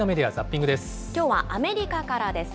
きょうはアメリカからです。